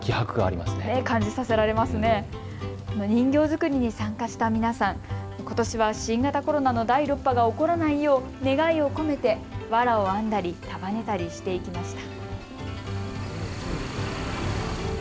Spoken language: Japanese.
人形作りに参加した皆さんことしは新型コロナの第６波が起こらないよう願いを込めてわらを編んだり束ねたりしていきました。